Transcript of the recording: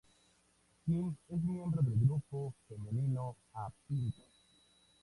Kim es miembro del grupo femenino A Pink.